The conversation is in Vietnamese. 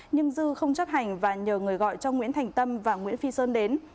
nhưng dư không chấp hành và nhờ người gọi cho nguyễn thành tâm và nguyễn phi sơn đến